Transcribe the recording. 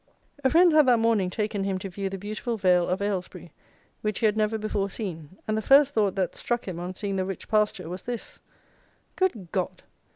"A friend had that morning taken him to view the beautiful vale of Aylesbury, which he had never before seen; and the first thought that struck him, on seeing the rich pasture, was this, 'Good God!